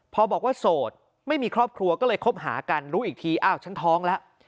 พอบอกว่าโสดไม่มีครอบครัวก็เลยคบหากันรู้อีกทีอ้าวฉันท้องแล้ว